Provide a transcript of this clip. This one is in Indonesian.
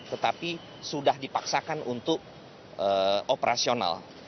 tetapi sudah dipaksakan untuk operasional